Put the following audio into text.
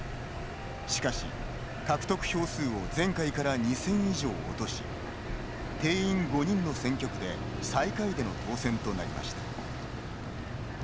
しかし、獲得票数を前回から２０００以上落とし定員５人の選挙区で最下位での当選となりました。